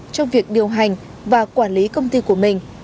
trong việc điều hành và quản lý công ty của mình